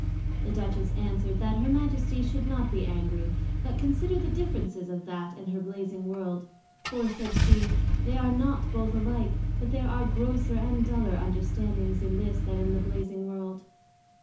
The Duchess answered, That her Majesty should not be angry, but consider the differences of that and her Blazing World; for, said she, they are not both alike; but there are grosser and duller understandings in this, than in the Blazing World.